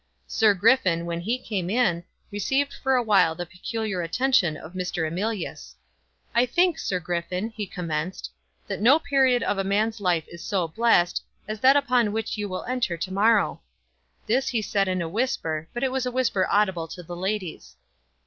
Sir Griffin, when he came in, received for a while the peculiar attention of Mr. Emilius. "I think, Sir Griffin," he commenced, "that no period of a man's life is so blessed, as that upon which you will enter to morrow." This he said in a whisper, but it was a whisper audible to the ladies.